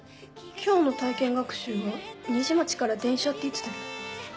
今日の体験学習は虹町から電車って言ってた。